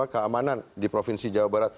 keamanan di provinsi jawa barat